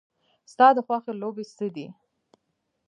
ستا د خوښې لوبې څه دي؟